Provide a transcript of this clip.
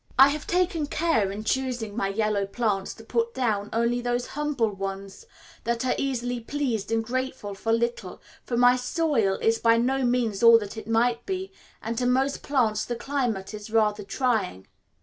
I have taken care in choosing my yellow plants to put down only those humble ones that are easily pleased and grateful for little, for my soil is by no means all that it might be, and to most plants the climate is rather trying.